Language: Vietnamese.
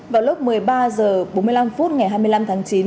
vào lúc một mươi ba h bốn mươi năm phút ngày hai mươi năm tháng chín